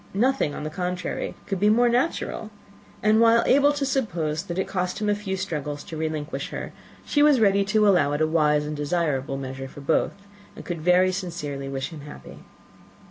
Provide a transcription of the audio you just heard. Nothing, on the contrary, could be more natural; and, while able to suppose that it cost him a few struggles to relinquish her, she was ready to allow it a wise and desirable measure for both, and could very sincerely wish him happy.